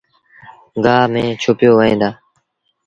گآه ميݩ ڇُپيو وهيݩ دآ